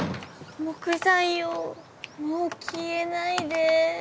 木材よもう消えないで。